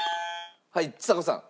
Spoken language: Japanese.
はいちさ子さん。